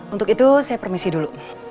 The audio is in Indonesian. untuk itu saya permisi dulu